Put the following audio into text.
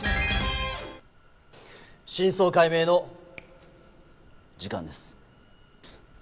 真相解明の時間です。